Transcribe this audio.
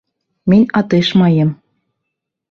Мин атышмайым!